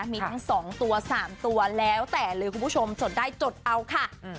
มีทั้ง๒ตัว๓ตัวแล้วแต่เลยคุณผู้ชมจดได้จดเอาค่ะ